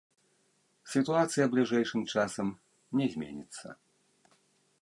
Сітуацыя бліжэйшым часам не зменіцца.